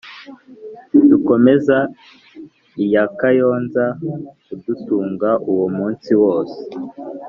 dukomeza iya kayonza kudutunga uwo munsi wose